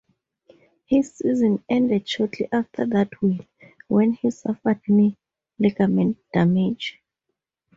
His season ended shortly after that win, when he suffered knee ligament damage.